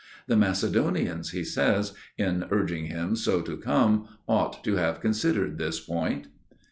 The Macedonians, he says, in urging him so to come, ought to have considered this point.